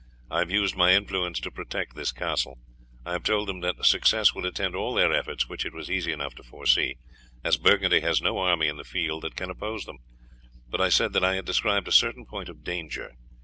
I have used my influence to protect this castle. I have told them that success will attend all their efforts, which it was easy enough to foresee, as Burgundy has no army in the field that can oppose them. But I said that I had described a certain point of danger.